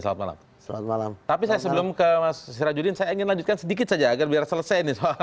saya ingin lanjutkan sedikit saja agar selesai